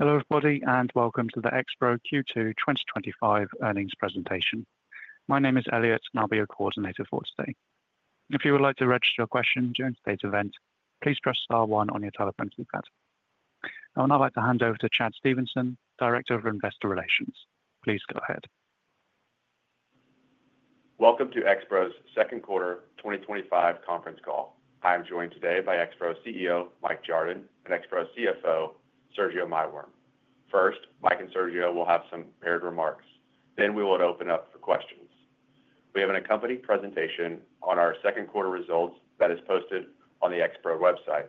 Hello everybody, and welcome to the Expro Q2 2025 Earnings Presentation. My name is Elliot, and I'll be your coordinator for today. If you would like to register your question during today's event, please press star one on your telephone keypad. I would now like to hand over to Chad Stephenson, Director of Investor Relations. Please go ahead. Welcome to Expro's Second Quarter 2025 Conference Call. I am joined today by Expro CEO Mike Jardon and Expro CFO Sergio Maiworm. First, Mike and Sergio will have some paired remarks. We will open up for questions. We have an accompanying presentation on our Second Quarter results that is posted on the Expro website,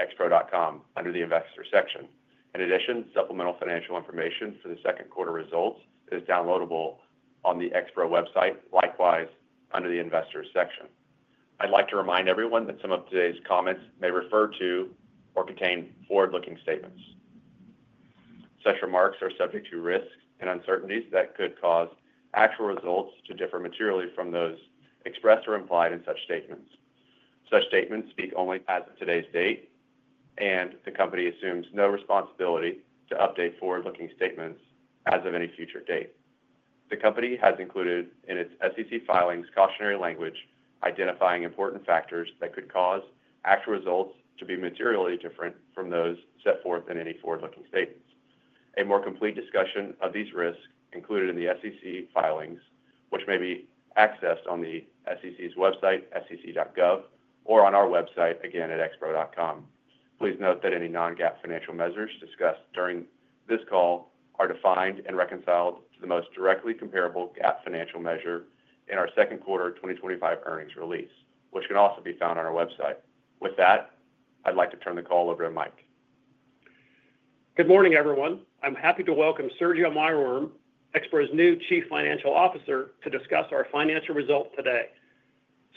expro.com, under the investors section. In addition, supplemental financial information for the Second Quarter results is downloadable on the Expro website, likewise under the investors section. I'd like to remind everyone that some of today's comments may refer to or contain forward-looking statements. Such remarks are subject to risks and uncertainties that could cause actual results to differ materially from those expressed or implied in such statements. Such statements speak only as of today's date, and the company assumes no responsibility to update forward-looking statements as of any future date. The company has included in its SEC filings cautionary language identifying important factors that could cause actual results to be materially different from those set forth in any forward-looking statements. A more complete discussion of these risks is included in the SEC filings, which may be accessed on the SEC's website, sec.gov, or on our website again at expro.com. Please note that any non-GAAP financial measures discussed during this call are defined and reconciled to the most directly comparable GAAP financial measure in our Second Quarter 2025 earnings release, which can also be found on our website. With that, I'd like to turn the call over to Mike. Good morning everyone. I'm happy to Sergio Maiworm, Expro's new Chief Financial Officer, to discuss our financial result today.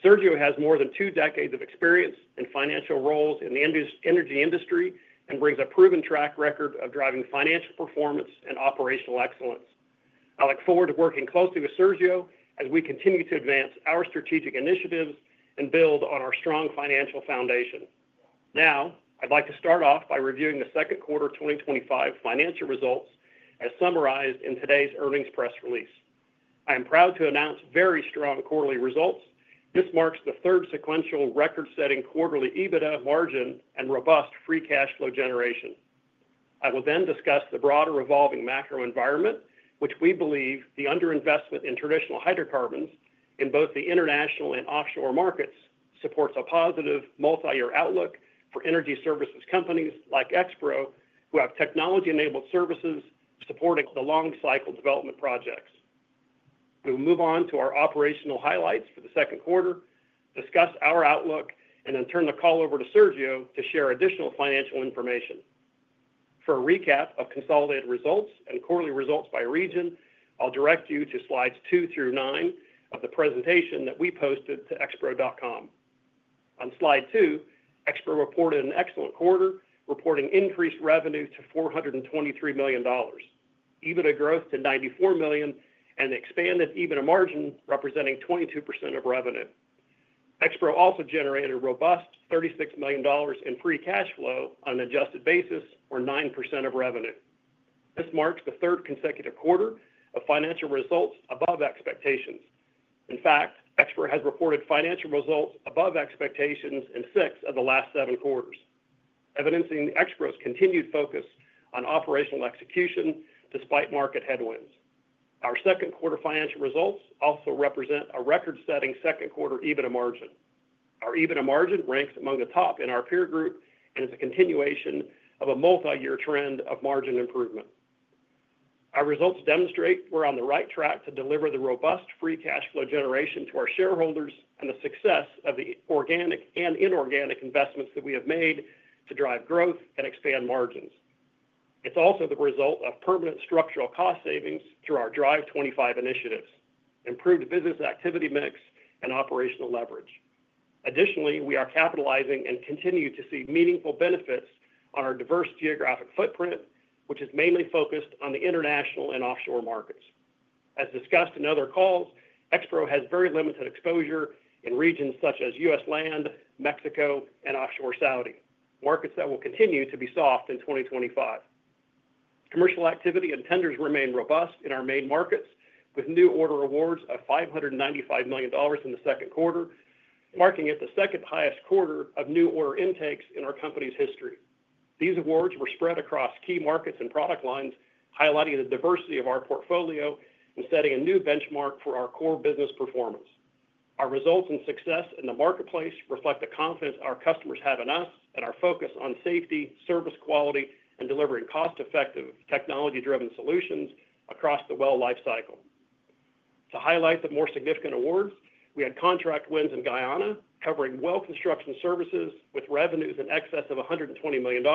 Sergio has more than two decades of experience in financial roles in the energy industry and brings a proven track record of driving financial performance and operational excellence. I look forward to working closely with Sergio as we continue to advance our strategic initiatives and build on our strong financial foundation. Now, I'd like to start off by reviewing the Second Quarter 2025 financial results as summarized in today's earnings press release. I am proud to announce very strong quarterly results. This marks the third sequential record-setting quarterly EBITDA margin and robust free cash flow generation. I will then discuss the broader evolving macro environment, which we believe the underinvestment in traditional hydrocarbons in both the international and offshore markets supports a positive multi-year outlook for energy like Expro, who have technology-enabled services supporting the long-cycle development projects. We will move on to our operational highlights for the Second Quarter, discuss our outlook, and then turn the call over to Sergio to share additional financial information. For a recap of consolidated results and quarterly results by region, I'll direct you to slides two through nine of the presentation that we posted to expro.com. Expro reported an excellent quarter, reporting increased revenue to $423 million, EBITDA growth to $94 million, and an expanded EBITDA margin representing 22% of revenue. Expro also generated a robust $36 million in free cash flow on an adjusted basis or 9% of revenue. This marks the third consecutive quarter of financial results above Expro has reported financial results above expectations in six of the last evidencing Expro's continued focus on operational execution despite market headwinds. Our Second Quarter financial results also represent a record-setting Second Quarter EBITDA margin. Our EBITDA margin ranks among the top in our peer group and is a continuation of a multi-year trend of margin improvement. Our results demonstrate we're on the right track to deliver the robust free cash flow generation to our shareholders and the success of the organic and inorganic investments that we have made to drive growth and expand margins. It's also the result of permanent structural cost savings through our Drive 25 initiative, improved business activity mix, and operational leverage. Additionally, we are capitalizing and continue to see meaningful benefits on our diverse geographic footprint, which is mainly focused on the international and offshore markets. As discussed Expro has very limited exposure in regions such as us land, Mexico, and offshore Saudi Arabia, markets that will continue to be soft in 2025. Commercial activity and tenders remain robust in our main markets, with new order awards of $595 million in the Second Quarter, marking it the second highest quarter of new order intake in our company's history. These awards were spread across key markets and product lines, highlighting the diversity of our portfolio and setting a new benchmark for our core business performance. Our results and success in the marketplace reflect the confidence our customers have in us and our focus on safety, service quality, and delivering cost-effective technology-driven solutions across the well lifecycle. To highlight the more significant awards, we had contract wins in Guyana covering well construction services with revenues in excess of $120 million,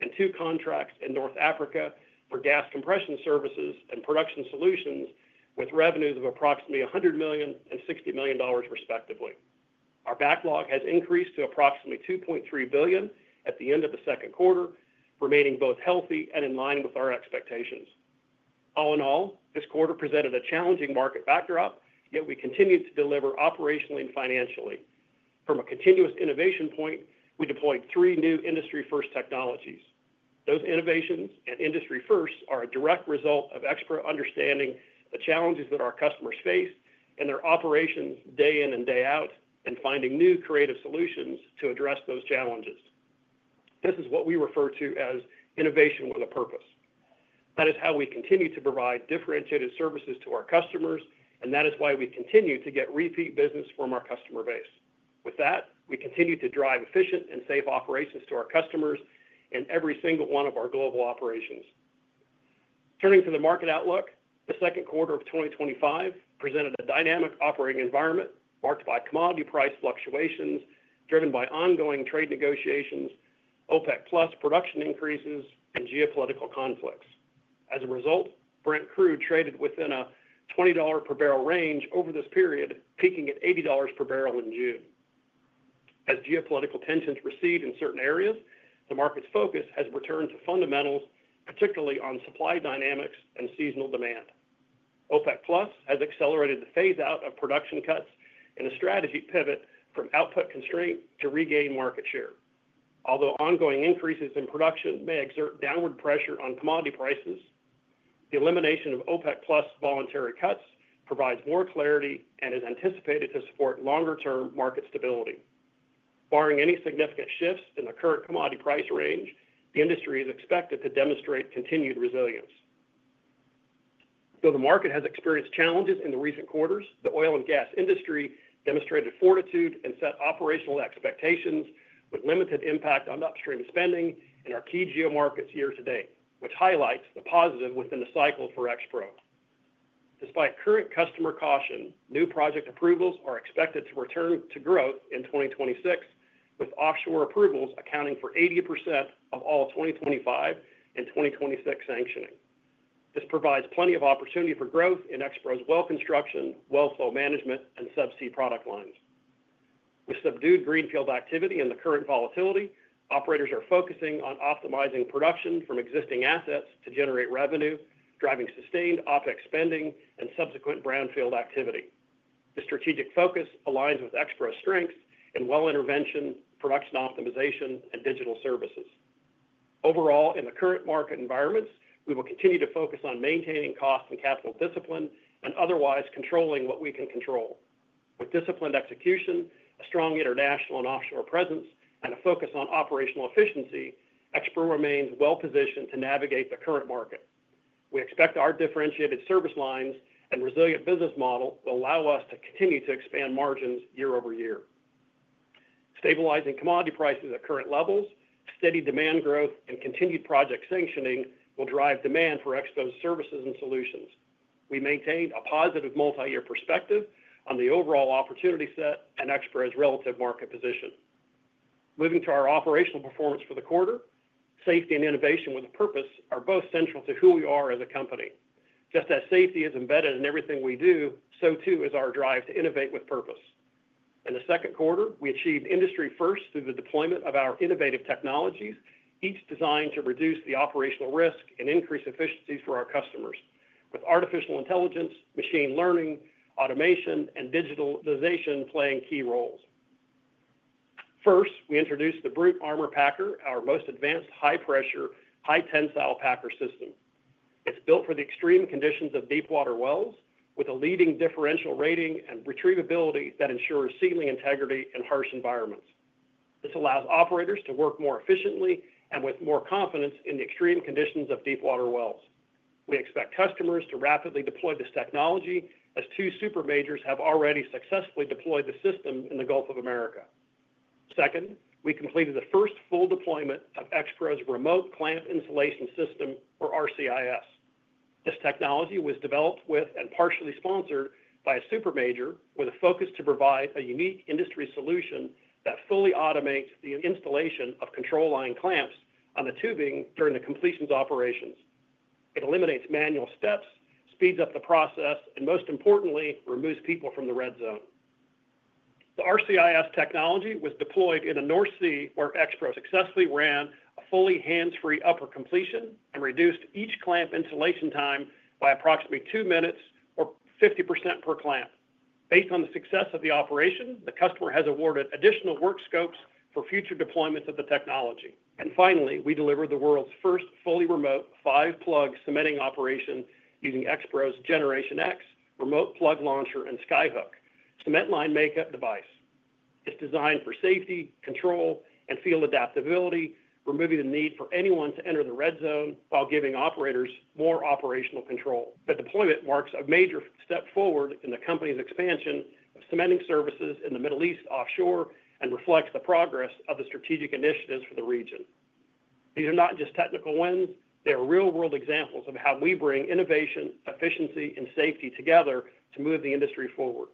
and two contracts in North Africa for gas compression services and production solutions with revenues of approximately $100 million and $60 million, respectively. Our backlog has increased to approximately $2.3 billion at the end of the Second Quarter, remaining both healthy and in line with our expectations. All in all, this quarter presented a challenging market backdrop, yet we continued to deliver operationally and financially. From a continuous innovation point, we deployed three new industry-first technologies. Those innovations and industry firsts are a direct result of Expro understanding the challenges that our customers face in their operations day in and day out and finding new creative solutions to address those challenges. This is what we refer to as innovation with a purpose. That is how we continue to provide differentiated services to our customers, and that is why we continue to get repeat business from our customer base. With that, we continue to drive efficient and safe operations to our customers in every single one of our global operations. Turning to the market outlook, the Second Quarter of 2025 presented a dynamic operating environment marked by commodity price fluctuations driven by ongoing trade negotiations, OPEC+ production increases, and geopolitical conflicts. As a result, Brent crude traded within a $20 per barrel range over this period, peaking at $80 per barrel in June. As geopolitical tensions recede in certain areas, the market's focus has returned to fundamentals, particularly on supply dynamics and seasonal demand. OPEC+ has accelerated the phase-out of production cuts in a strategic pivot from output constraint to regain market share. Although ongoing increases in production may exert downward pressure on commodity prices, the elimination of OPEC+ voluntary cuts provides more clarity and is anticipated to support longer-term market stability. Barring any significant shifts in the current commodity price range, the industry is expected to demonstrate continued resilience. Though the market has experienced challenges in the recent quarters, the oil and gas industry demonstrated fortitude and set operational expectations with limited impact on upstream spending in our key geomarkets year to date, which highlights the positive within the cycle for Expro Despite current customer caution, new project approvals are expected to return to growth in 2026, with offshore approvals accounting for 80% of all 2025 and 2026 sanctioning. This provides plenty of opportunity in Expro's well construction, well flow management, and subsea product lines. With subdued greenfield activity and the current volatility, operators are focusing on optimizing production from existing assets to generate revenue, driving OPEC+ spending and subsequent brownfield activity. The strategic with Expro's strengths in well intervention and integrity solutions, production optimization, and digital services. Overall, in the current market environments, we will continue to focus on maintaining cost and capital discipline and otherwise controlling what we can control. With disciplined execution, a strong international and offshore presence, and a focus Expro remains well positioned to navigate the current market. We expect our differentiated service lines and resilient business model will allow us to continue to expand margins year-over-year. Stabilizing commodity prices at current levels, steady demand growth, and continued project sanctioning will for Expro's services and solutions. We maintain a positive multi-year perspective on the overall and Expro's relative market position. Moving to our operational performance for the quarter, safety and innovation with a purpose are both central to who we are as a company. Just as safety is embedded in everything we do, so too is our drive to innovate with purpose. In the Second Quarter, we achieved industry first through the deployment of our innovative technologies, each designed to reduce the operational risk and increase efficiencies for our customers, with artificial intelligence, machine learning, automation, and digitalization playing key roles. First, we introduced the Brute Armor Packer, our most advanced high-pressure, high-tensile packer system. It's built for the extreme conditions of deep-water wells, with a leading differential rating and retrievability that ensures sealing integrity in harsh environments. This allows operators to work more efficiently and with more confidence in the extreme conditions of deep-water wells. We expect customers to rapidly deploy this technology, as two super majors have already successfully deployed the system in the Gulf of America. Second, we completed the first of Expro's Remote Clamp Installation System, or RCIS. This technology was developed with and partially sponsored by a super major, with a focus to provide a unique industry solution that fully automates the installation of control line clamps on the tubing during the completions operations. It eliminates manual steps, speeds up the process, and most importantly, removes people from the red zone. The RCIS technology was deployed in the Expro successfully ran a fully hands-free upper completion and reduced each clamp installation time by approximately two minutes or 50% per clamp. Based on the success of the operation, the customer has awarded additional work scopes for future deployments of the technology. Finally, we delivered the world's first fully remote five-plug using Expro's generation X remote plug launcher and Skyhook cement line makeup device. It's designed for safety, control, and field adaptability, removing the need for anyone to enter the red zone while giving operators more operational control. The deployment marks a major step forward in the company's expansion of cementing services in the Middle East offshore and reflects the progress of the strategic initiatives for the region. These are not just technical wins, they are real-world examples of how we bring innovation, efficiency, and safety together to move the industry forward.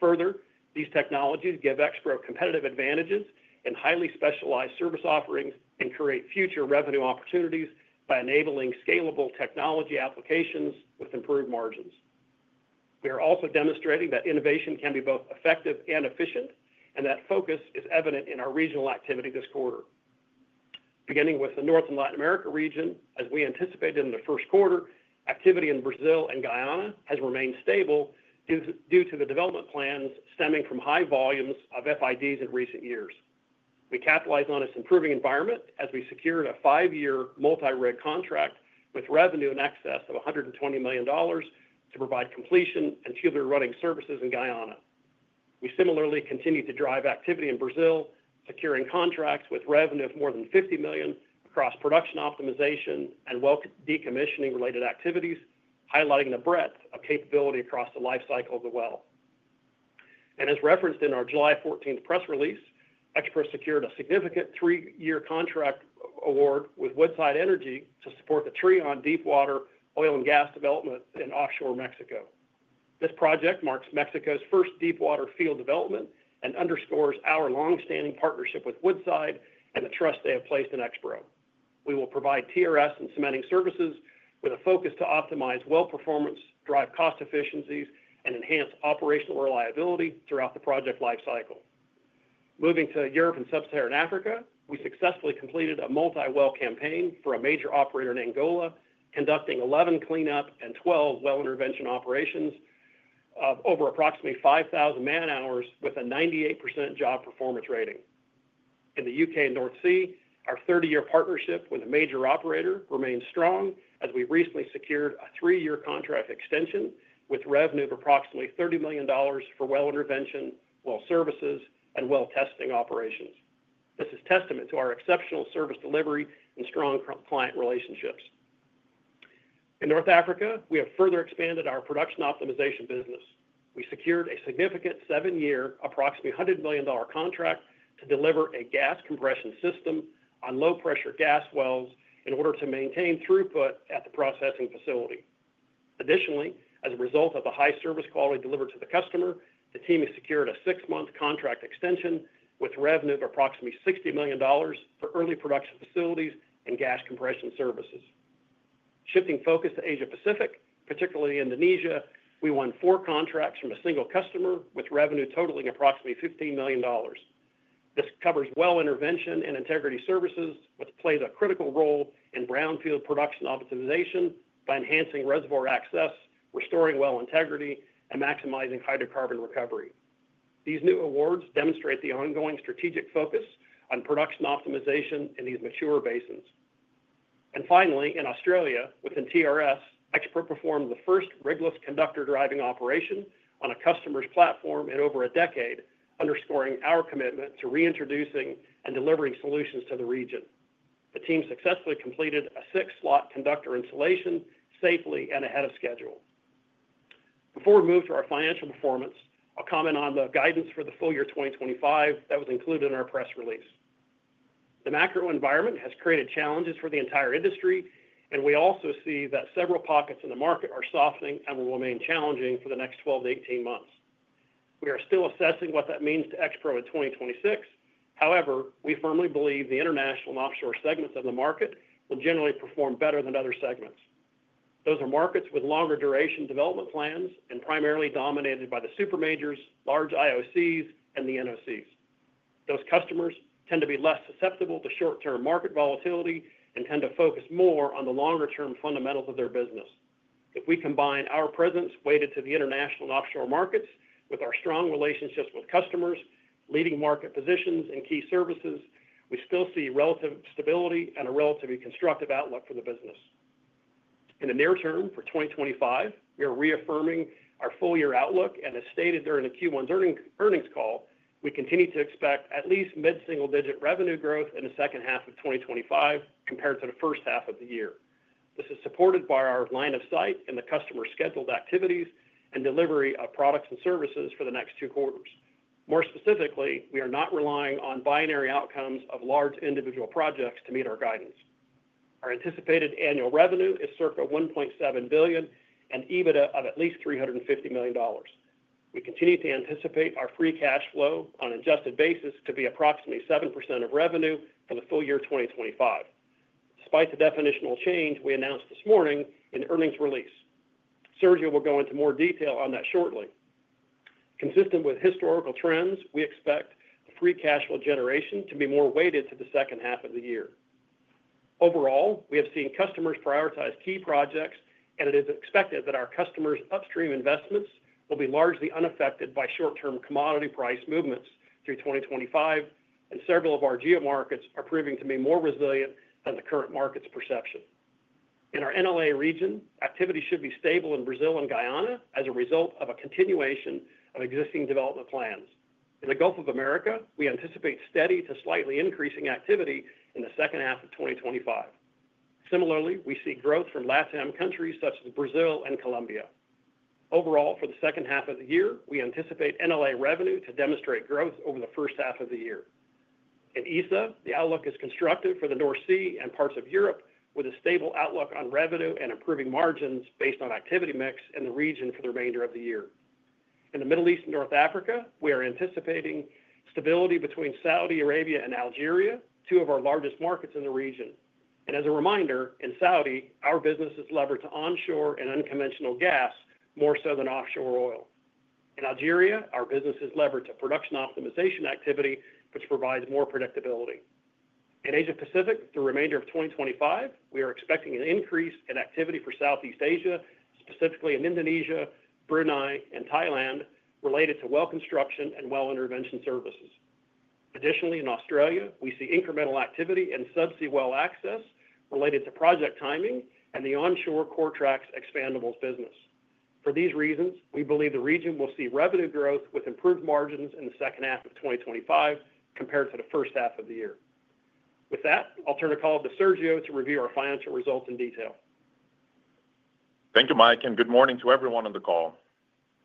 Further, these technologies give Expro competitive advantages in highly specialized service offerings and create future revenue opportunities by enabling scalable technology applications with improved margins. We are also demonstrating that innovation can be both effective and efficient, and that focus is evident in our regional activity this quarter. Beginning with the North and Latin America region, as we anticipated in the first quarter, activity in Brazil and Guyana has remained stable due to the development plans stemming from high volumes of FIDs in recent years. We capitalized on this improving environment as we secured a five-year multi-reg contract with revenue in excess of $120 million to provide completion and tubing running services in Guyana. We similarly continue to drive activity in Brazil, securing contracts with revenue of more than $50 million across production optimization and well decommissioning related activities, highlighting the breadth of capability across the lifecycle of the well. As referenced in our July 14th press release, Expro secured a significant three-year contract award with Woodside Energy to support the Trion deep-water oil and gas development in offshore Mexico. This project marks Mexico's first deep-water field development and underscores our longstanding partnership with Woodside and the trust they have placed in Expro. We will provide TRS and cementing services with a focus to optimize well performance, drive cost efficiencies, and enhance operational reliability throughout the project lifecycle. Moving to Europe and Sub-Saharan Africa, we successfully completed a multi-well campaign for a major operator in Angola, conducting 11 cleanup and 12 well intervention operations of over approximately 5,000 man hours with a 98% job performance rating. In the U.K. and North Sea, our 30-year partnership with a major operator remains strong as we recently secured a three-year contract extension with revenue of approximately $30 million for well intervention, well services, and well testing operations. This is testament to our exceptional service delivery and strong client relationships. In North Africa, we have further expanded our production optimization business. We secured a significant seven-year, approximately $100 million contract to deliver a gas compression system on low-pressure gas wells in order to maintain throughput at the processing facility. Additionally, as a result of the high service quality delivered to the customer, the team has secured a six-month contract extension with revenue of approximately $60 million for early production facilities and gas compression services. Shifting focus to Asia Pacific, particularly Indonesia, we won four contracts from a single customer with revenue totaling approximately $15 million. This covers well intervention and integrity solutions, which plays a critical role in brownfield production optimization by enhancing reservoir access, restoring well integrity, and maximizing hydrocarbon recovery. These new awards demonstrate the ongoing strategic focus on production optimization in these mature basins. Finally, in Australia, within TRS, Expro performed the first rigless conductor driving operation on a customer's platform in over a decade, underscoring our commitment to reintroducing and delivering solutions to the region. The team successfully completed a six-slot conductor installation safely and ahead of schedule. Before we move to our financial performance, I'll comment on the guidance for the full year 2025 that was included in our press release. The macro environment has created challenges for the entire industry, and we also see that several pockets in the market are softening and will remain challenging for the next 12 to 18 months. We are still assessing what that means to Expro in 2026. However, we firmly believe the international and offshore segments of the market will generally perform better than other segments. Those are markets with longer duration development plans and primarily dominated by the super majors, large IOCs, and the NOCs. Those customers tend to be less susceptible to short-term market volatility and tend to focus more on the longer-term fundamentals of their business. If we combine our presence weighted to the international and offshore markets with our strong relationships with customers, leading market positions, and key services, we still see relative stability and a relatively constructive outlook for the business. In the near term for 2025, we are reaffirming our full-year outlook, and as stated during the Q1 earnings call, we continue to expect at least mid-single-digit revenue growth in the second half of 2025 compared to the first half of the year. This is supported by our line of sight and the customer's scheduled activities and delivery of products and services for the next two quarters. More specifically, we are not relying on binary outcomes of large individual projects to meet our guidance. Our anticipated annual revenue is circa $1.7 billion and EBITDA of at least $350 million. We continue to anticipate our free cash flow on an adjusted basis to be approximately 7% of revenue for the full year 2025. Despite the definitional change we announced this morning in the earnings release, Sergio will go into more detail on that shortly. Consistent with historical trends, we expect the free cash flow generation to be more weighted to the second half of the year. Overall, we have seen customers prioritize key projects, and it is expected that our customers' upstream investments will be largely unaffected by short-term commodity price movements through 2025, and several of our geomarkets are proving to be more resilient than the current market's perception. In our NLA region, activity should be stable in Brazil and Guyana as a result of a continuation of existing development plans. In the Gulf of America, we anticipate steady to slightly increasing activity in the second half of 2025. Similarly, we see growth from LATAM countries such as Brazil and Colombia. Overall, for the second half of the year, we anticipate NLA revenue to demonstrate growth over the first half of the year. In ISA, the outlook is constructive for the North Sea and parts of Europe with a stable outlook on revenue and improving margins based on activity mix in the region for the remainder of the year. In the Middle East and North Africa, we are anticipating stability between Saudi Arabia and Algeria, two of our largest markets in the region. As a reminder, in Saudi, our business is levered to onshore and unconventional gas, more so than offshore oil. In Algeria, our business is levered to production optimization activity, which provides more predictability. In Asia Pacific, the remainder of 2025, we are expecting an increase in activity for Southeast Asia, specifically in Indonesia, Brunei, and Thailand, related to well construction and well intervention services. Additionally, in Australia, we see incremental activity in subsea well access related to project timing and the onshore CoreTrax expandables business. For these reasons, we believe the region will see revenue growth with improved margins in the second half of 2025 compared to the first half of the year. With that, I'll turn the call to Sergio to review our financial results in detail. Thank you, Mike, and good morning to everyone on the call.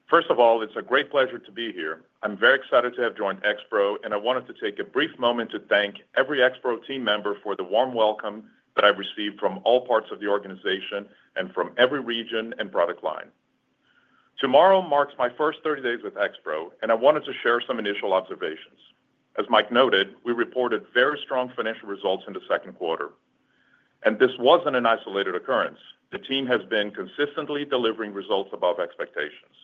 First of all, it's a great pleasure to be here. I'm very excited to have joined Expro, and I wanted to take a brief moment to thank every Expro team member for the warm welcome that I received from all parts of the organization and from every region and product line. Tomorrow marks my first 30 days with Expro, and I wanted to share some initial observations. As Mike noted, we reported very strong financial results in the Second Quarter. This wasn't an isolated occurrence. The team has been consistently delivering results above expectations.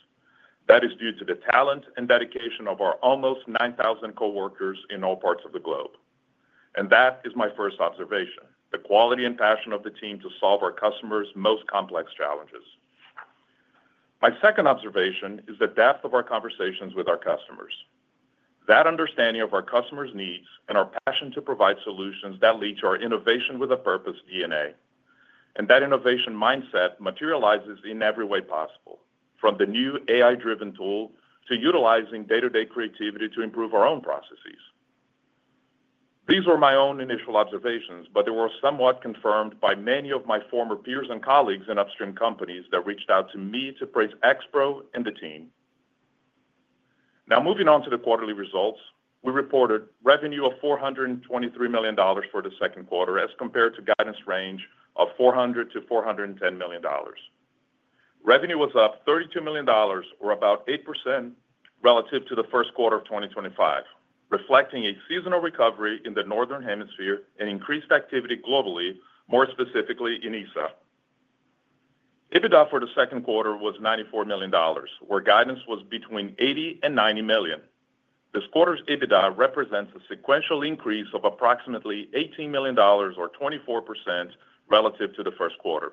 That is due to the talent and dedication of our almost 9,000 coworkers in all parts of the globe. That is my first observation: the quality and passion of the team to solve our customers' most complex challenges. My second observation is the depth of our conversations with our customers. That understanding of our customers' needs and our passion to provide solutions that lead to our innovation with a purpose DNA. That innovation mindset materializes in every way possible, from the new AI-driven tool to utilizing day-to-day creativity to improve our own processes. These were my own initial observations, but they were somewhat confirmed by many of my former peers and colleagues in upstream companies that reached out to me to praise Expro and the team. Now, moving on to the quarterly results, we reported revenue of $423 million for the Second Quarter as compared to the guidance range of $400 to $410 million. Revenue was up $32 million, or about 8% relative to the first quarter of 2025, reflecting a seasonal recovery in the northern hemisphere and increased activity globally, more specifically in ISA. EBITDA for the Second Quarter was $94 million, where guidance was between $80 and $90 million. This quarter's EBITDA represents a sequential increase of approximately $18 million, or 24% relative to the first quarter.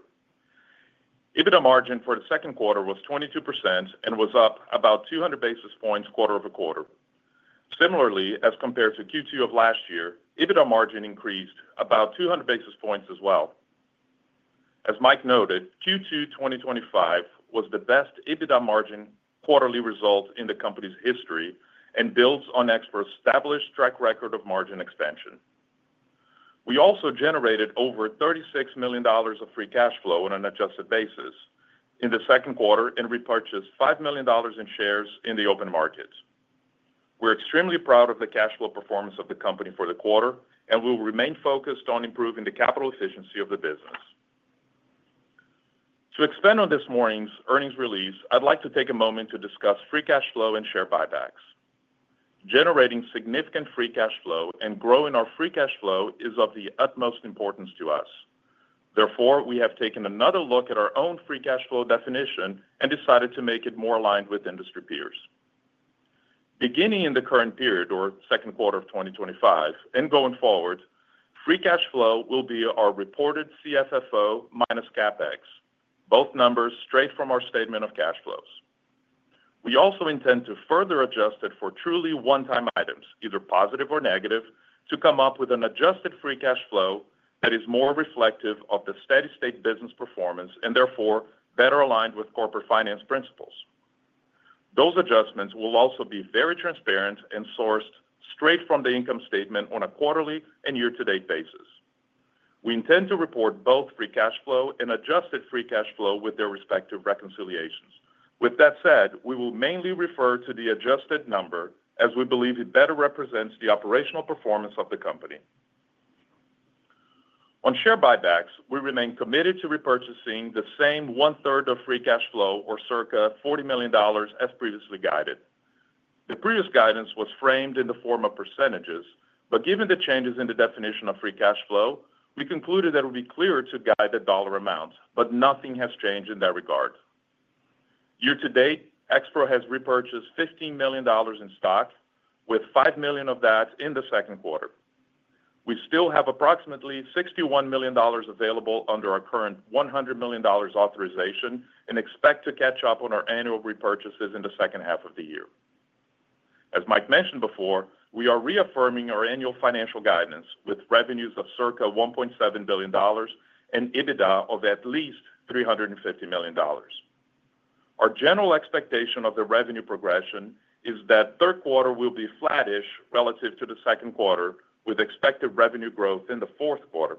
EBITDA margin for the Second Quarter was 22% and was up about 200 basis points quarter over quarter. Similarly, as compared to Q2 of last year, EBITDA margin increased about 200 basis points as well. As Mike noted, Q2 2025 was the best EBITDA margin quarterly result in the company's history and builds on Expro's established track record of margin expansion. We also generated over $36 million of free cash flow on an adjusted basis in the Second Quarter and repurchased $5 million in shares in the open markets. We're extremely proud of the cash flow performance of the company for the quarter, and we will remain focused on improving the capital efficiency of the business. To expand on this morning's earnings release, I'd like to take a moment to discuss free cash flow and share buybacks. Generating significant free cash flow and growing our free cash flow is of the utmost importance to us. Therefore, we have taken another look at our own free cash flow definition and decided to make it more aligned with industry peers. Beginning in the current period, or Second Quarter of 2025, and going forward, free cash flow will be our reported CFFO minus CapEx, both numbers straight from our statement of cash flows. We also intend to further adjust it for truly one-time items, either positive or negative, to come up with an adjusted free cash flow that is more reflective of the steady-state business performance and therefore better aligned with corporate finance principles. Those adjustments will also be very transparent and sourced straight from the income statement on a quarterly and year-to-date basis. We intend to report both free cash flow and adjusted free cash flow with their respective reconciliations. With that said, we will mainly refer to the adjusted number as we believe it better represents the operational performance of the company. On share buybacks, we remain committed to repurchasing the same one-third of free cash flow, or circa $40 million, as previously guided. The previous guidance was framed in the form of percentages, but given the changes in the definition of free cash flow, we concluded that it would be clearer to guide the dollar amounts, but nothing has changed in that regard. Year to date, Expro has repurchased $15 million in stock, with $5 million of that in the Second Quarter. We still have approximately $61 million available under our current $100 million authorization and expect to catch up on our annual repurchases in the second half of the year. As Mike mentioned before, we are reaffirming our annual financial guidance with revenues of circa $1.7 billion and EBITDA of at least $350 million. Our general expectation of the revenue progression is that the third quarter will be flattish relative to the Second Quarter, with expected revenue growth in the fourth quarter.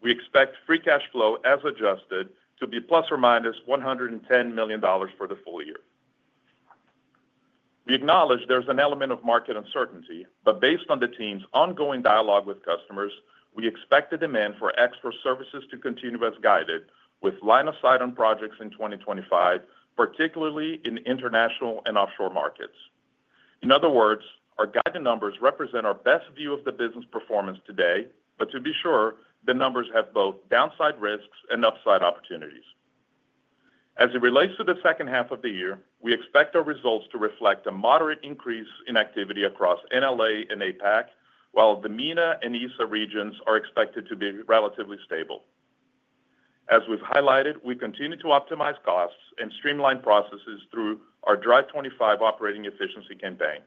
We expect free cash flow, as adjusted, to be plus or minus $110 million for the full year. We acknowledge there's an element of market uncertainty, but based on the team's ongoing dialogue with customers, we expect the demand for Expro services to continue as guided, with line of sight on projects in 2025, particularly in international and offshore markets. In other words, our guided numbers represent our best view of the business performance today, but to be sure, the numbers have both downside risks and upside opportunities. As it relates to the second half of the year, we expect our results to reflect a moderate increase in activity across NLA and APAC, while the MENA and ISA regions are expected to be relatively stable. As we've highlighted, we continue to optimize costs and streamline processes through our Drive 25 operating efficiency campaign.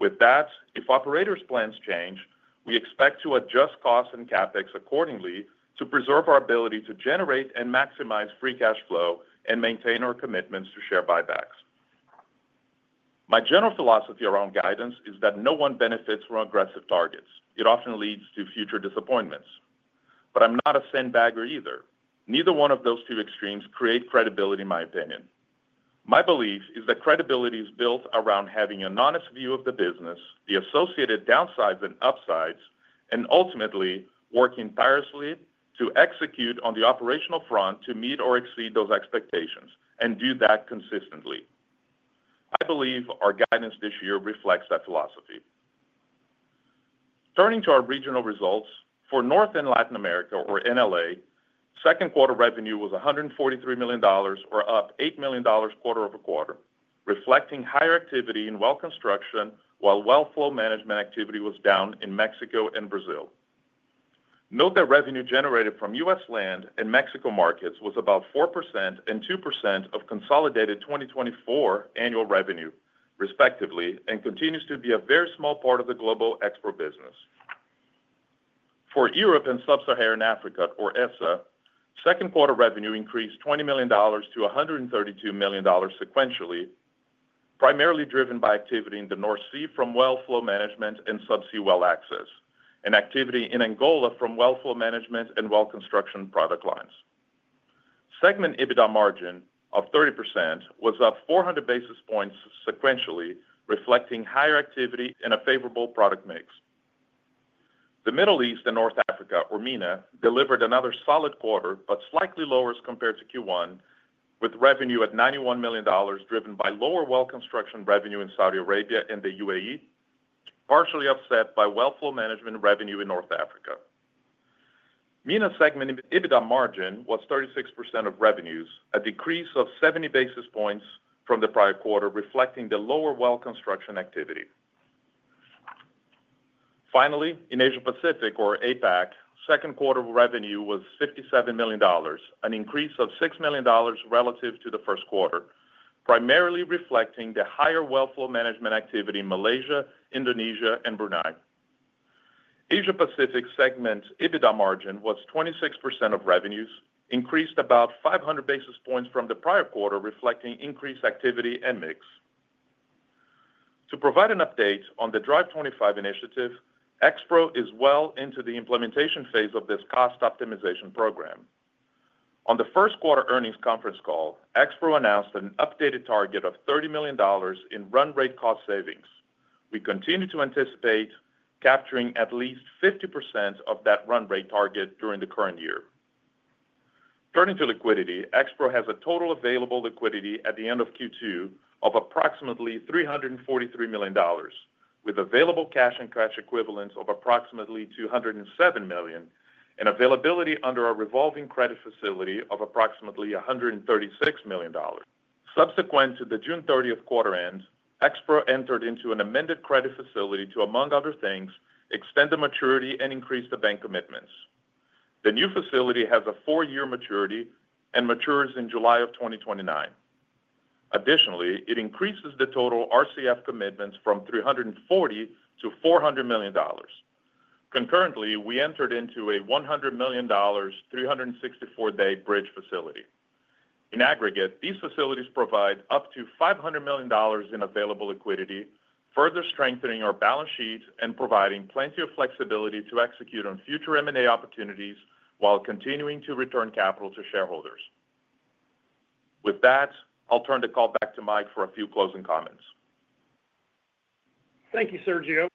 With that, if operators' plans change, we expect to adjust costs and CapEx accordingly to preserve our ability to generate and maximize free cash flow and maintain our commitments to share buybacks. My general philosophy around guidance is that no one benefits from aggressive targets. It often leads to future disappointments. I'm not a sandbagger either. Neither one of those two extremes creates credibility, in my opinion. My belief is that credibility is built around having an honest view of the business, the associated downsides and upsides, and ultimately working tirelessly to execute on the operational front to meet or exceed those expectations and do that consistently. I believe our guidance this year reflects that philosophy. Turning to our regional results, for North and Latin America, or NLA, Second Quarter revenue was $143 million, or up $8 million quarter over quarter, reflecting higher activity in well construction, while well flow management activity was down in Mexico and Brazil. Note that revenue generated from us land and Mexico markets was about 4% and 2% of consolidated 2024 annual revenue, respectively, and continues to be a very small part of the global Expro business. For Europe and Sub-Saharan Africa, or ESA, Second Quarter revenue increased $20 million to $132 million sequentially, primarily driven by activity in the North Sea from well flow management and subsea well access, and activity in Angola from well flow management and well construction product lines. Segment EBITDA margin of 30% was up 400 basis points sequentially, reflecting higher activity and a favorable product mix. The Middle East and North Africa, or MENA, delivered another solid quarter, but slightly lower as compared to Q1, with revenue at $91 million driven by lower well construction revenue in Saudi Arabia and the UAE, partially offset by well flow management revenue in North Africa. MENA's segment EBITDA margin was 36% of revenues, a decrease of 70 basis points from the prior quarter, reflecting the lower well construction activity. Finally, in Asia Pacific, or APAC, Second Quarter revenue was $57 million, an increase of $6 million relative to the first quarter, primarily reflecting the higher well flow management activity in Malaysia, Indonesia, and Brunei. Asia Pacific segment EBITDA margin was 26% of revenues, increased about 500 basis points from the prior quarter, reflecting increased activity and mix. To provide an update on the Drive 25 initiative, Expro is well into the implementation phase of this cost optimization program. On the first quarter earnings conference call, Expro announced an updated target of $30 million in run-rate cost savings. We continue to anticipate capturing at least 50% of that run-rate target during the current year. Turning to liquidity, Expro has a total available liquidity at the end of Q2 of approximately $343 million, with available cash and cash equivalents of approximately $207 million and availability under our revolving credit facility of approximately $136 million. Subsequent to the June 30th quarter end, Expro entered into an amended credit facility to, among other things, extend the maturity and increase the bank commitments. The new facility has a four-year maturity and matures in July of 2029. Additionally, it increases the total RCF commitments from $340 million to $400 million. Concurrently, we entered into a $100 million 364-day bridge facility. In aggregate, these facilities provide up to $500 million in available liquidity, further strengthening our balance sheet and providing plenty of flexibility to execute on future M&A opportunities while continuing to return capital to shareholders. With that, I'll turn the call back to Mike for a few closing comments. Thank you, Sergio.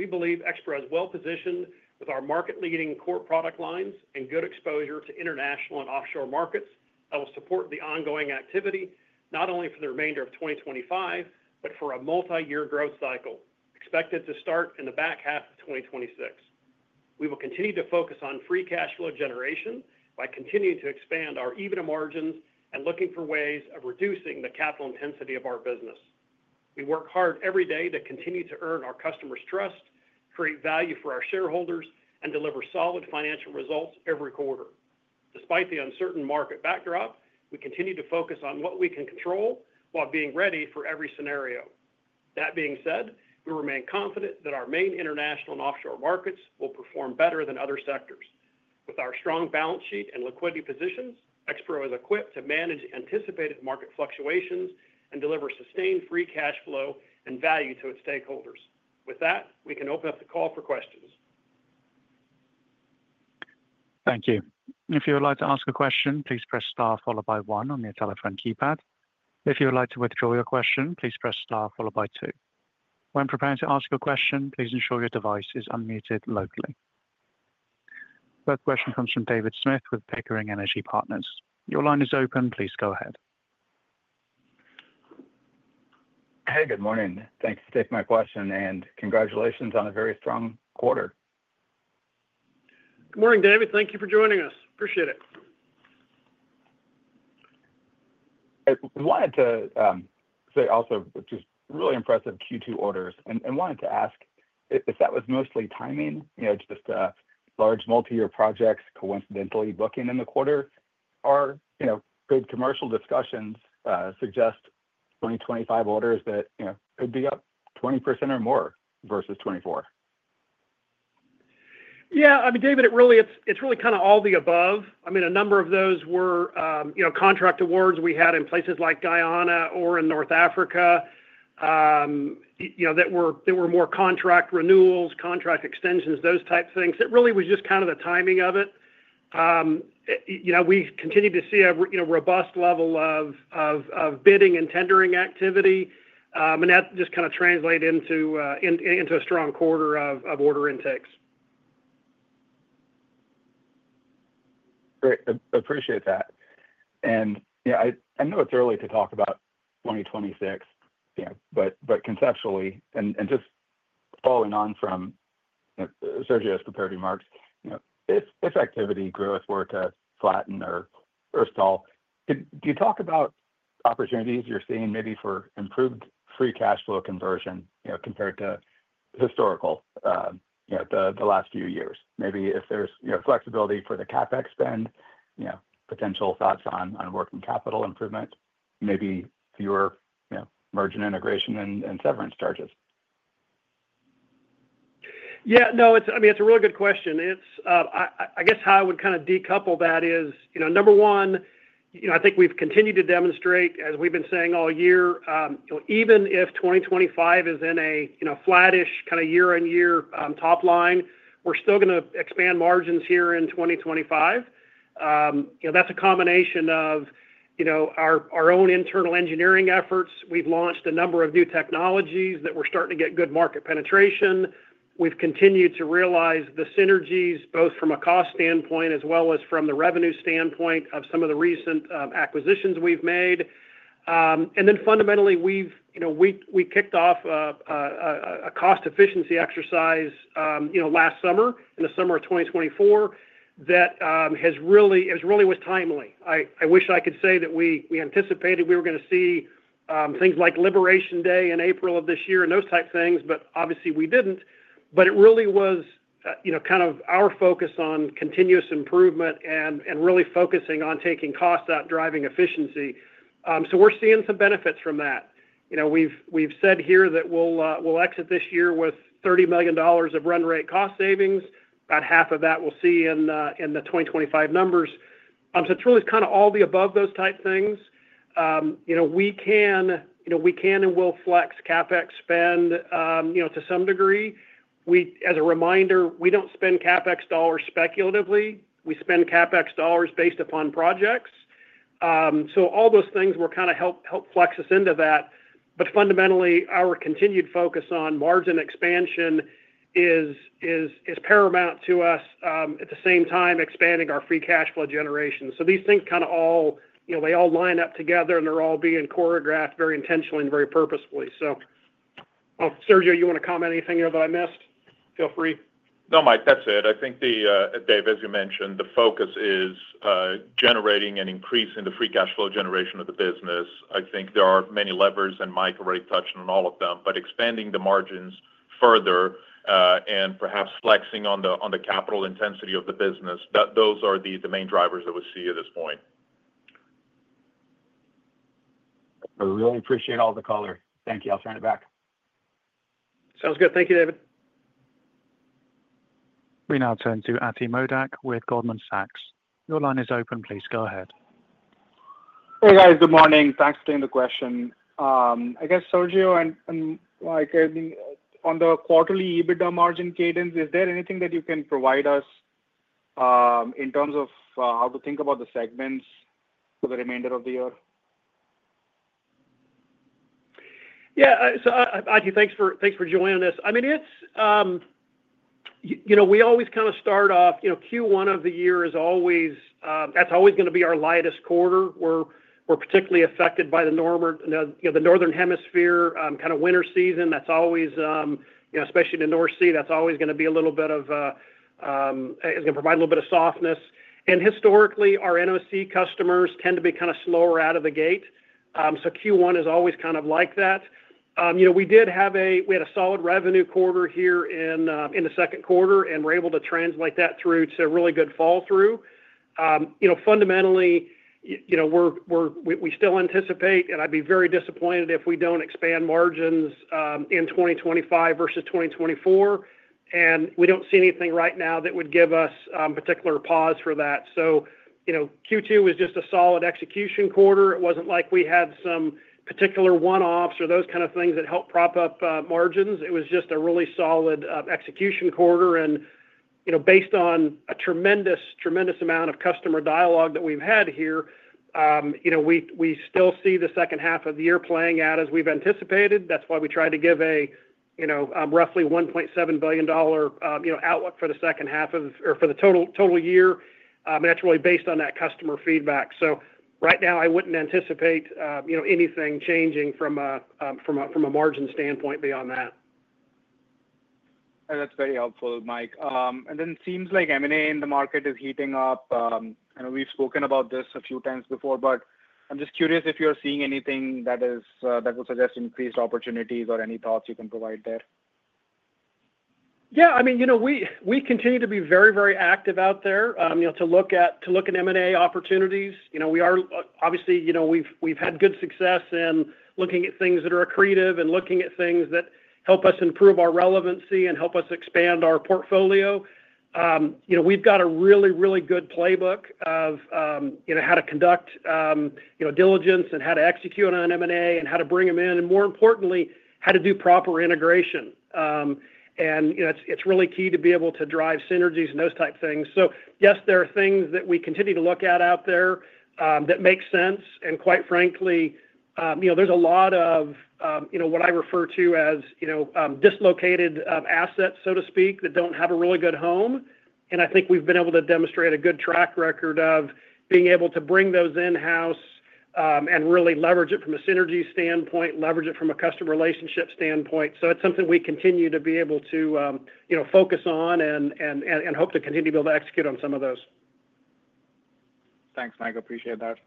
We believe Expro is well positioned with our market-leading core product lines and good exposure to international and offshore markets that will support the ongoing activity, not only for the remainder of 2025, but for a multi-year growth cycle expected to start in the back half of 2026. We will continue to focus on free cash flow generation by continuing to expand our EBITDA margins and looking for ways of reducing the capital intensity of our business. We work hard every day to continue to earn our customers' trust, create value for our shareholders, and deliver solid financial results every quarter. Despite the uncertain market backdrop, we continue to focus on what we can control while being ready for every scenario. That being said, we remain confident that our main international and offshore markets will perform better than other sectors. With our strong balance sheet and liquidity position, Expro is equipped to manage anticipated market fluctuations and deliver sustained free cash flow and value to its stakeholders. With that, we can open up the call for questions. Thank you. If you would like to ask a question, please press star followed by one on your telephone keypad. If you would like to withdraw your question, please press star followed by two. When preparing to ask your question, please ensure your device is unmuted locally. First question comes from David Smith with Pickering Energy Partners. Your line is open. Please go ahead. Hey, good morning. Thanks for taking my question, and congratulations on a very strong quarter. Good morning, David. Thank you for joining us. Appreciate it. I wanted to say also just really impressive Q2 orders and wanted to ask if that was mostly timing, just large multi-year projects coincidentally booking in the quarter. Our big commercial discussions suggest 2025 orders that could be up 20% or more versus 2024. Yeah, I mean, David, it really, it's really kind of all the above. I mean, a number of those were, you know, contract awards we had in places like Guyana or in North Africa that were more contract renewals, contract extensions, those types of things. It really was just kind of the timing of it. You know, we continue to see a robust level of bidding and tendering activity, and that just kind of translated into a strong quarter of order intake. Great. Appreciate that. I know it's early to talk about 2026, but conceptually, and just following on from Sergio's prepared remarks, if activity growth were to flatten or stall, can you talk about opportunities you're seeing maybe for improved free cash flow conversion compared to historical, the last few years? Maybe if there's flexibility for the CapEx spend, potential thoughts on working capital improvement, maybe fewer merchant integration and severance charges. Yeah, no, it's a really good question. I guess how I would kind of decouple that is, number one, I think we've continued to demonstrate, as we've been saying all year, even if 2025 is in a flattish kind of year-on-year top line, we're still going to expand margins here in 2025. That's a combination of our own internal engineering efforts. We've launched a number of new technologies that we're starting to get good market penetration. We've continued to realize the synergies, both from a cost standpoint as well as from the revenue standpoint of some of the recent acquisitions we've made. Fundamentally, we kicked off a cost efficiency exercise last summer, in the summer of 2024, that really was timely. I wish I could say that we anticipated we were going to see things like Liberation Day in April of this year and those types of things, but obviously we didn't. It really was our focus on continuous improvement and really focusing on taking cost out, driving efficiency. We're seeing some benefits from that. We've said here that we'll exit this year with $30 million of run-rate cost savings. About half of that we'll see in the 2025 numbers. It's really kind of all the above, those types of things. We can and will flex CapEx spend to some degree. As a reminder, we don't spend CapEx dollars speculatively. We spend CapEx dollars based upon projects. All those things will kind of help flex us into that. Fundamentally, our continued focus on margin expansion is paramount to us at the same time expanding our free cash flow generation. These things kind of all line up together and they're all being choreographed very intentionally and very purposefully. Sergio, you want to comment anything that I missed? Feel free. No, Mike, that's it. I think, David, as you mentioned, the focus is generating an increase in the free cash flow generation of the business. I think there are many levers, and Mike already touched on all of them, but expanding the margins further and perhaps flexing on the capital intensity of the business, those are the main drivers that we see at this point. We really appreciate all the color. Thank you. I'll turn it back. Sounds good. Thank you, David. We now turn to Ati Modak with Goldman Sachs. Your line is open. Please go ahead. Hey guys, good morning. Thanks for taking the question. I guess, Sergio and Mike, on the quarterly EBITDA margin cadence, is there anything that you can provide us in terms of how to think about the segments for the remainder of the year? Yeah, so Ati, thanks for joining us. I mean, we always kind of start off, you know, Q1 of the year is always, that's always going to be our lightest quarter. We're particularly affected by the northern hemisphere, kind of winter season. That's always, especially in the North Sea, going to provide a little bit of softness. Historically, our NOC customers tend to be kind of slower out of the gate. Q1 is always kind of like that. We did have a solid revenue quarter here in the Second Quarter and were able to translate that through to a really good fall through. Fundamentally, we still anticipate, and I'd be very disappointed if we don't expand margins in 2025 versus 2024. We don't see anything right now that would give us particular pause for that. Q2 was just a solid execution quarter. It wasn't like we had some particular one-offs or those kind of things that helped prop up margins. It was just a really solid execution quarter. Based on a tremendous, tremendous amount of customer dialogue that we've had here, we still see the second half of the year playing out as we've anticipated. That's why we tried to give a roughly $1.7 billion outlook for the second half of the, or for the total year. That's really based on that customer feedback. Right now, I wouldn't anticipate anything changing from a margin standpoint beyond that. That's very helpful, Mike. It seems like M&A in the market is heating up. We've spoken about this a few times before, but I'm just curious if you're seeing anything that will suggest increased opportunities or any thoughts you can provide there. Yeah, I mean, we continue to be very, very active out there to look at M&A opportunities. We are obviously, we've had good success in looking at things that are accretive and looking at things that help us improve our relevancy and help us expand our portfolio. We've got a really, really good playbook of how to conduct diligence and how to execute on M&A and how to bring them in and, more importantly, how to do proper integration. It's really key to be able to drive synergies and those types of things. Yes, there are things that we continue to look at out there that make sense. Quite frankly, there's a lot of what I refer to as dislocated assets, so to speak, that don't have a really good home. I think we've been able to demonstrate a good track record of being able to bring those in-house and really leverage it from a synergy standpoint, leverage it from a customer relationship standpoint. It's something we continue to be able to focus on and hope to continue to be able to execute on some of those. Thanks, Mike. I appreciate that.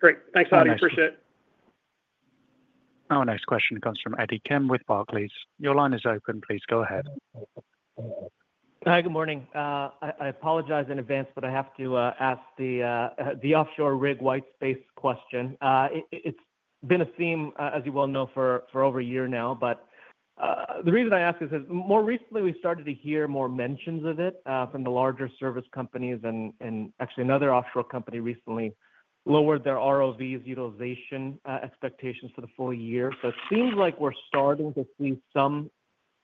Great. Thanks, Ati. Appreciate it. Our next question comes from Eddie Kim with Barclays. Your line is open. Please go ahead. Hi, good morning. I apologize in advance, but I have to ask the offshore rig whitespace question. It's been a theme, as you well know, for over a year now. The reason I ask is that more recently we started to hear more mentions of it from the larger service companies. Actually, another offshore company recently lowered their ROVs utilization expectations for the full year. It seems like we're starting to see some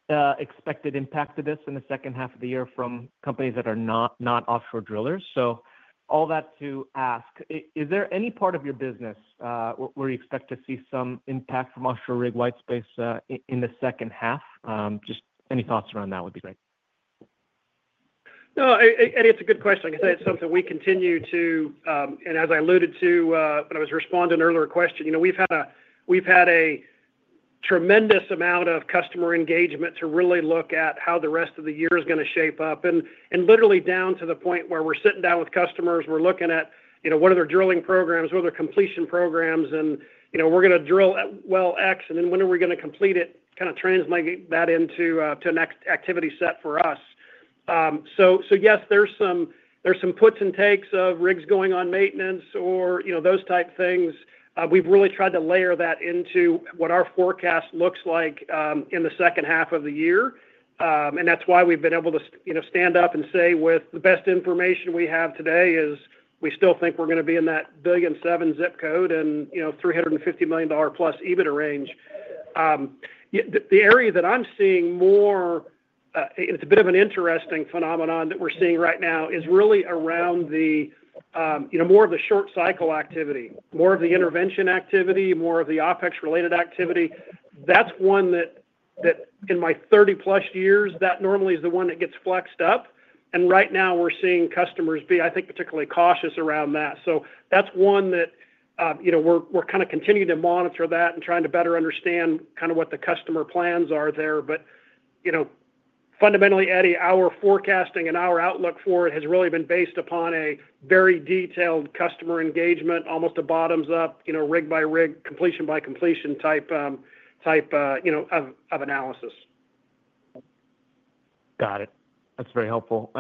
expected impact to this in the second half of the year from companies that are not offshore drillers. All that to ask, is there any part of your business where you expect to see some impact from offshore rig whitespace in the second half? Just any thoughts around that would be great. No, Eddie, it's a good question. I guess it's something we continue to, and as I alluded to when I was responding to an earlier question, we've had a tremendous amount of customer engagement to really look at how the rest of the year is going to shape up. Literally down to the point where we're sitting down with customers, we're looking at what are their drilling programs, what are their completion programs, and we're going to drill at well X, and then when are we going to complete it, kind of translating that into a next activity set for us. Yes, there's some puts and takes of rigs going on maintenance or those types of things. We've really tried to layer that into what our forecast looks like in the second half of the year. That's why we've been able to stand up and say with the best information we have today, we still think we're going to be in that $1.7 billion zip code and $350 million plus EBITDA range. The area that I'm seeing more, it's a bit of an interesting phenomenon that we're seeing right now, is really around more of the short cycle activity, more of the intervention activity, more of the OPEX related activity. That's one that, in my 30 plus years, normally is the one that gets flexed up. Right now we're seeing customers be, I think, particularly cautious around that. That's one that we're kind of continuing to monitor and trying to better understand what the customer plans are there. Fundamentally, Eddie, our forecasting and our outlook for it has really been based upon a very detailed customer engagement, almost a bottoms up, rig by rig, completion by completion type of analysis. Got it. That's very helpful.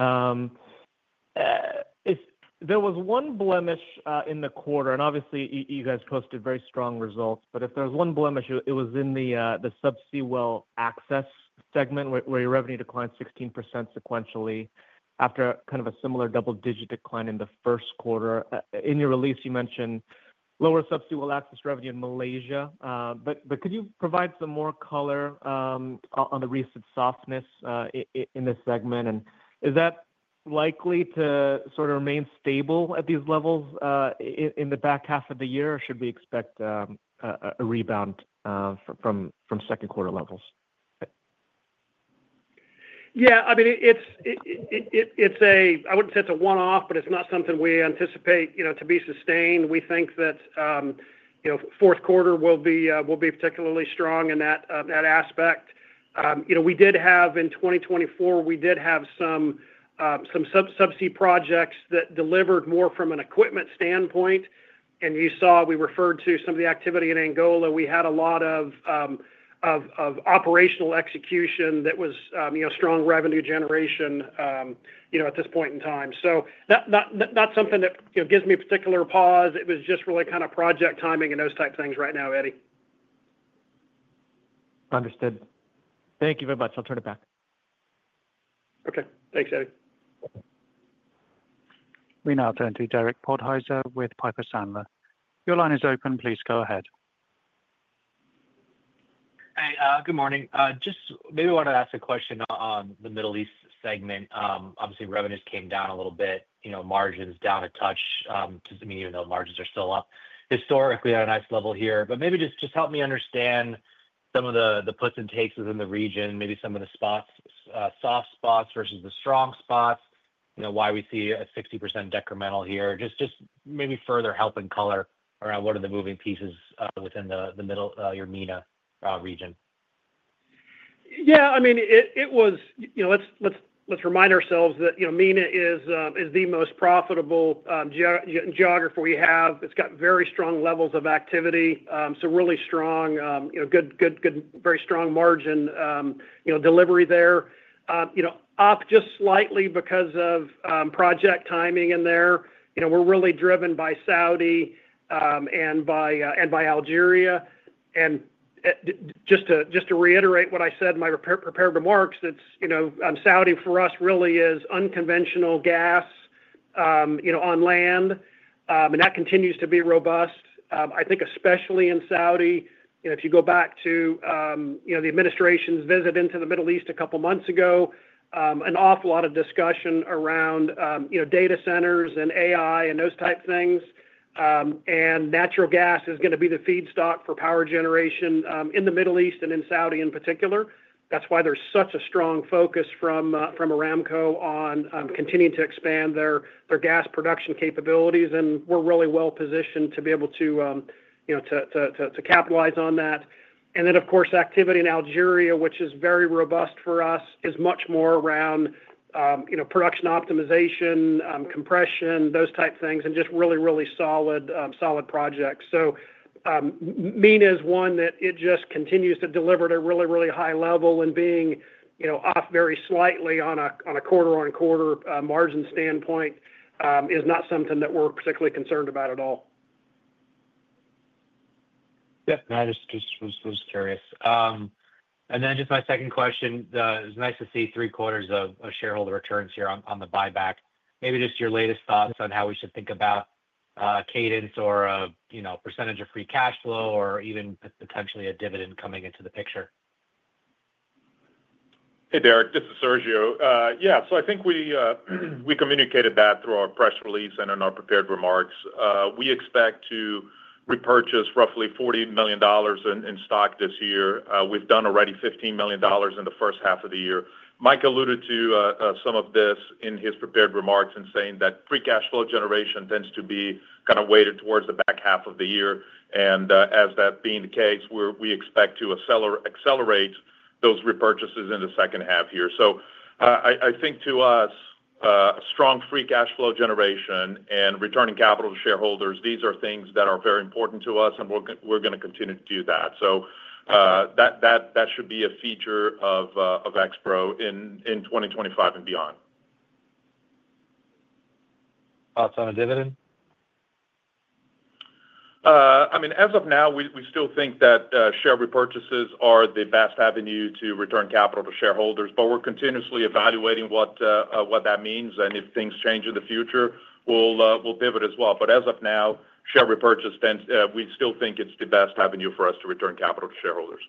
There was one blemish in the quarter, and obviously you guys posted very strong results. If there was one blemish, it was in the subsea well access segment where your revenue declined 16% sequentially after kind of a similar double-digit decline in the first quarter. In your release, you mentioned lower subsea well access revenue in Malaysia, but could you provide some more color on the recent softness in this segment? Is that likely to sort of remain stable at these levels in the back half of the year, or should we expect a rebound from Second Quarter levels? Yeah, I mean, it's a, I wouldn't say it's a one-off, but it's not something we anticipate to be sustained. We think that, you know, fourth quarter will be particularly strong in that aspect. You know, we did have, in 2024, we did have some subsea projects that delivered more from an equipment standpoint. You saw, we referred to some of the activity in Angola. We had a lot of operational execution that was strong revenue generation at this point in time. That's something that gives me a particular pause. It was just really kind of project timing and those types of things right now, Eddie. Understood. Thank you very much. I'll turn it back. Okay. Thanks, Eddie. We now turn to Derek Podhizer with Piper Sandler. Your line is open. Please go ahead. Hey, good morning. I wanted to ask a question on the Middle East segment. Obviously, revenues came down a little bit, margins down a touch. Margins are still up historically at a nice level here, but maybe just help me understand some of the puts and takes within the region, maybe some of the soft spots versus the strong spots, why we see a 60% decremental here. Maybe further help and color around what are the moving pieces within the middle of your MENA region. Yeah, I mean, let's remind ourselves that MENA is the most profitable geography we have. It's got very strong levels of activity, so really strong, good, very strong margin delivery there. Off just slightly because of project timing in there. We're really driven by Saudi and by Algeria. Just to reiterate what I said in my prepared remarks, Saudi for us really is unconventional gas on land, and that continues to be robust. I think especially in Saudi, if you go back to the administration's visit into the Middle East a couple of months ago, an awful lot of discussion around data centers and AI and those types of things. Natural gas is going to be the feedstock for power generation in the Middle East and in Saudi in particular. That's why there's such a strong focus from Aramco on continuing to expand their gas production capabilities. We're really well positioned to be able to capitalize on that. Of course, activity in Algeria, which is very robust for us, is much more around production optimization, compression, those types of things, and just really solid projects. MENA is one that just continues to deliver at a really high level, and being off very slightly on a quarter-on-quarter margin standpoint is not something that we're particularly concerned about at all. I just was curious. My second question, it was nice to see three quarters of shareholder returns here on the buyback. Maybe just your latest thoughts on how we should think about cadence or, you know, a percentage of free cash flow or even potentially a dividend coming into the picture. Hey Derek, this is Sergio. I think we communicated that through our press release and in our prepared remarks. We expect to repurchase roughly $40 million in stock this year. We've done already $15 million in the first half of the year. Mike alluded to some of this in his prepared remarks in saying that free cash flow generation tends to be kind of weighted towards the back half of the year. As that being the case, we expect to accelerate those repurchases in the second half here. I think to us, a strong free cash flow generation and returning capital to shareholders, these are things that are very important to us, and we're going to continue to do that. That should be a feature of Expro in 2025 and beyond. Outside of dividend? As of now, we still think that share repurchases are the best avenue to return capital to shareholders. We're continuously evaluating what that means, and if things change in the future, we'll pivot as well. As of now, share repurchases, we still think it's the best avenue for us to return capital to shareholders.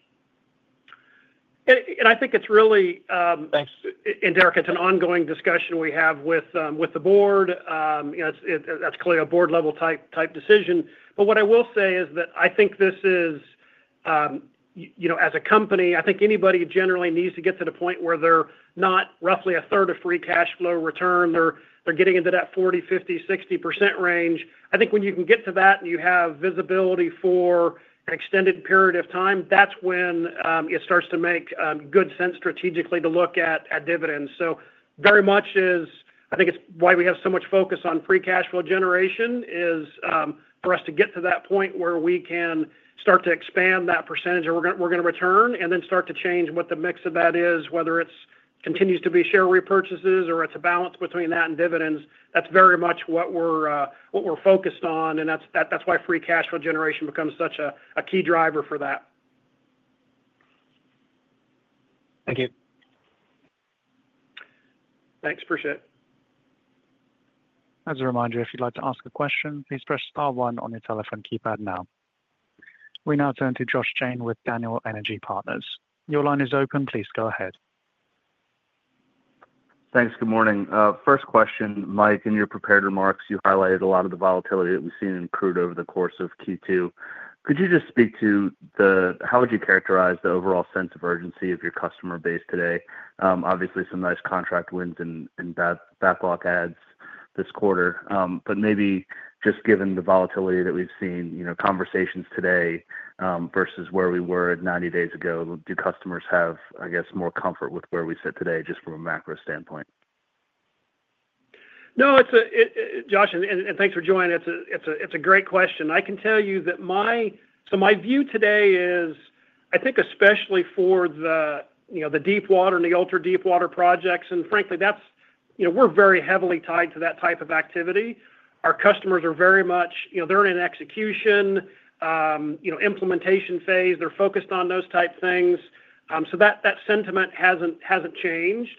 It's really an ongoing discussion we have with the board. That's clearly a board-level type decision. What I will say is that as a company, I think anybody generally needs to get to the point where they're not roughly a third of free cash flow return. They're getting into that 40%, 50%, 60% range. When you can get to that and you have visibility for an extended period of time, that's when it starts to make good sense strategically to look at dividends. Very much, it's why we have so much focus on free cash flow generation, for us to get to that point where we can start to expand that percentage that we're going to return and then start to change what the mix of that is, whether it continues to be share repurchases or it's a balance between that and dividends. That's very much what we're focused on, and that's why free cash flow generation becomes such a key driver for that. Thank you. Thanks, appreciate it. As a reminder, if you'd like to ask a question, please press star one on your telephone keypad now. We now turn to Josh Jayne with Daniels Energy Partners. Your line is open. Please go ahead. Thanks. Good morning. First question, Mike, in your prepared remarks, you highlighted a lot of the volatility that we've seen in crude over the course of Q2. Could you just speak to the, how would you characterize the overall sense of urgency of your customer base today? Obviously, some nice contract wins and backlog adds this quarter. Maybe just given the volatility that we've seen, you know, conversations today versus where we were 90 days ago, do customers have, I guess, more comfort with where we sit today just from a macro standpoint? No, it's Josh, and thanks for joining. It's a great question. I can tell you that my view today is, I think especially for the deepwater and the ultra deepwater projects, and frankly, we're very heavily tied to that type of activity. Our customers are very much in an execution, implementation phase. They're focused on those types of things. That sentiment hasn't changed.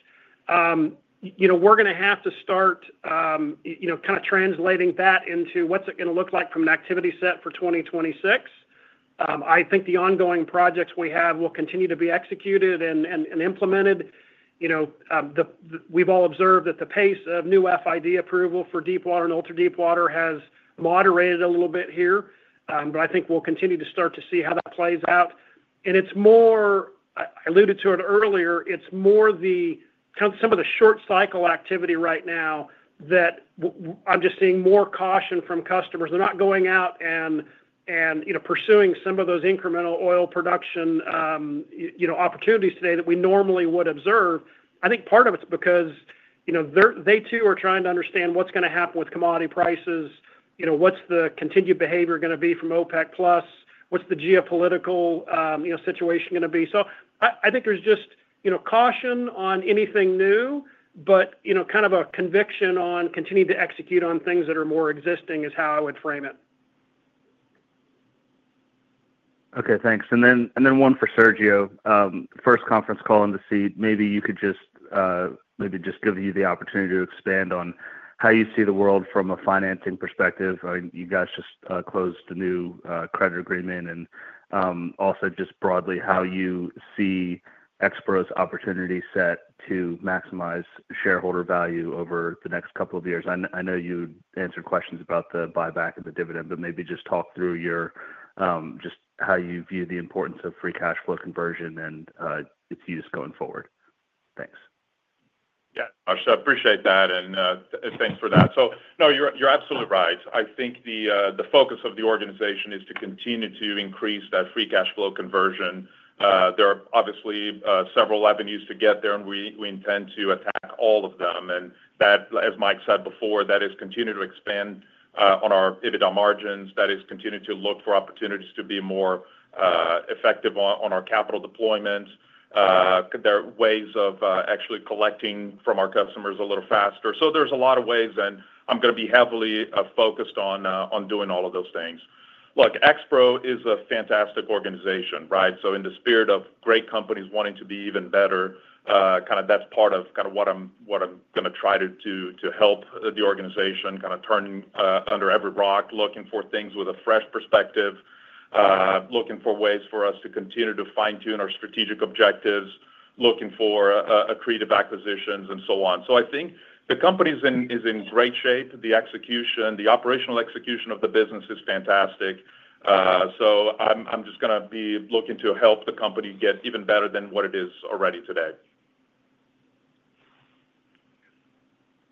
We're going to have to start translating that into what's it going to look like from the activity set for 2026. I think the ongoing projects we have will continue to be executed and implemented. We've all observed that the pace of new FID approval for deepwater and ultra deepwater has moderated a little bit here. I think we'll continue to start to see how that plays out. It's more, I alluded to it earlier, it's more the kind of some of the short cycle activity right now that I'm just seeing more caution from customers. They're not going out and pursuing some of those incremental oil production opportunities today that we normally would observe. I think part of it's because they too are trying to understand what's going to happen with commodity prices, what's the continued behavior going to be from OPEC+, what's the geopolitical situation going to be. I think there's just caution on anything new, but kind of a conviction on continuing to execute on things that are more existing is how I would frame it. Okay, thanks. One for Sergio. First conference call in the seat, maybe you could just give you the opportunity to expand on how you see the world from a financing perspective. You guys just closed the new credit agreement and also just broadly see Expro's opportunity set to maximize shareholder value over the next couple of years. I know you answered questions about the buyback of the dividend, but maybe just talk through how you view the importance of free cash flow conversion and its use going forward. Thanks. Yeah, I appreciate that and thanks for that. You're absolutely right. I think the focus of the organization is to continue to increase that free cash flow conversion. There are obviously several avenues to get there, and we intend to attack all of them. That, as Mike said before, is to continue to expand on our EBITDA margins. That is to continue to look for opportunities to be more effective on our capital deployment. There are ways of actually collecting from our customers a little faster. There's a lot of ways, and I'm going to be heavily focused on doing all of Expro is a fantastic organization, right? In the spirit of great companies wanting to be even better, that's part of what I'm going to try to help the organization do, turn under every rock, looking for things with a fresh perspective, looking for ways for us to continue to fine-tune our strategic objectives, looking for accretive acquisitions, and so on. I think the company is in great shape. The execution, the operational execution of the business is fantastic. I'm just going to be looking to help the company get even better than what it is already today.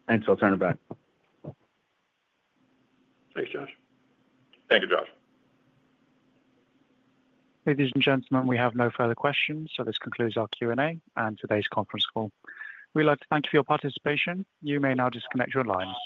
Thanks. I'll turn it back. Thanks, Josh. Thank you, Josh. Ladies and gentlemen, we have no further questions, so this concludes our Q&A and today's conference call. We'd like to thank you for your participation. You may now disconnect your line.